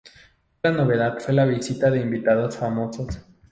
Otra novedad fue la visita de invitados famosos.